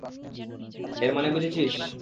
এর মানে বুঝেছিস?